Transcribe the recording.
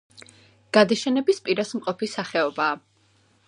გადაშენების პირას მყოფი სახეობაა.